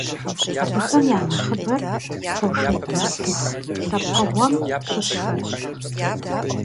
Абыхэм я нэхъыбэр «фошыгъу» нартыху лъэпкъыгъуэм щыщхэрщ.